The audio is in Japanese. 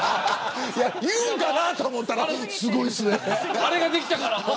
言うんかなと思ったらすごいですね。